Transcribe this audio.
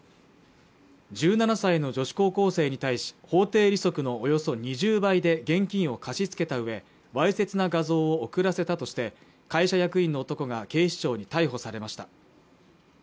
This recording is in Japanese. １７歳の女子高校生に対し法定利息のおよそ２０倍で現金を貸し付けたうえわいせつな画像を送らせたとして会社役員の男が警視庁に逮捕されました